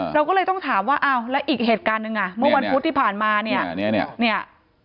เราก็เลยต้องถามว่าอ้าวแล้วอีกเหตุการณ์หนึ่งอ่ะเมื่อวันพุธที่ผ่านมาเนี่ย